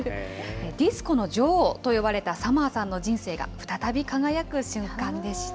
ディスコの女王と呼ばれたサマーさんの人生が再び輝く瞬間でした。